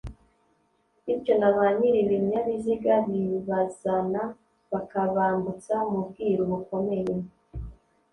bityo na ba nyiribinyabiziga bibazana bakabambutsa mu bwiru bukomeye